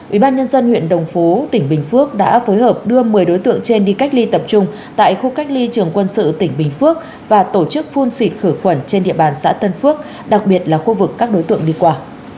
ubnd huyện đồng phú tp hcm đã phối hợp đưa một mươi đối tượng trên đi cách ly tập trung tại khu cách ly trường quân sự tp hcm và tổ chức phun xịt khử quẩn trên địa bàn xã tân phước đặc biệt là khu vực các đối tượng đi qua